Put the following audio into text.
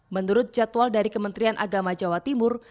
menurut jadwal dari kementerian agama jawa timur